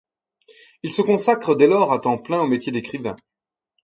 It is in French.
Il se consacre dès lors à temps plein au métier d'écrivain.